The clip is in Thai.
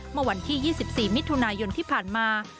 เมื่อวันที่๒๔มิถุนายนที่ผ่านมา